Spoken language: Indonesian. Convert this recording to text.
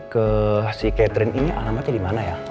ke si catherine ini alamatnya dimana ya